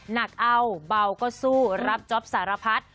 หนักเอาเบาก็สู้รับจ๊อปสารพัด